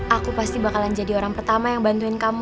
aku pasti bakalan jadi orang pertama yang bantuin kamu